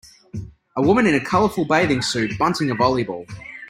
A woman in a colorful bathing suit, bunting a volleyball.